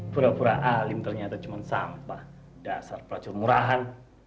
pura pura alim ternyata cuma sampah dasar pelacur murahan